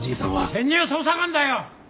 潜入捜査官だよ！